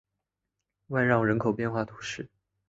万让人口变化图示